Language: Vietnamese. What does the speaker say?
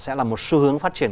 sẽ là một xu hướng phát triển